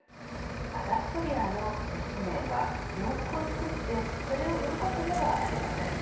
アダストリアの使命は洋服を作ってそれを売ることではありません。